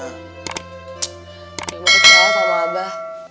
kenapa sama abah